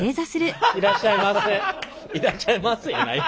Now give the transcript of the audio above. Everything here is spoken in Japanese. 「いらっしゃいませ」やない。